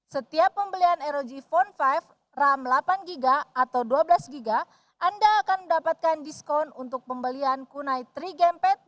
setiap pembelian rog phone lima ram delapan gb atau dua belas gb anda akan mendapatkan diskon untuk pembelian kunai tiga gamepad